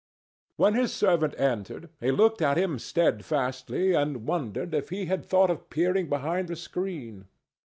When his servant entered, he looked at him steadfastly and wondered if he had thought of peering behind the screen.